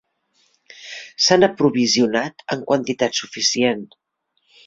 S'han aprovisionat en quantitat suficient.